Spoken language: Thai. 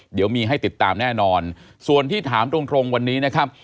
เดี๋ยวมีให้ติดตามแน่นอนส่วนที่ถามตรงตรงวันนี้นะครับ